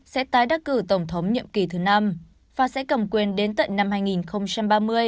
sẽ tái đắc cử tổng thống nhiệm kỳ thứ năm và sẽ cầm quyền đến tận năm hai nghìn ba mươi